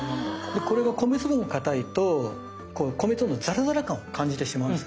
でこれが米粒がかたいとこの米粒のザラザラ感を感じてしまうんですけど。